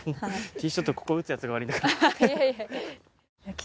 ティーショットここ打つやつが悪いんだから。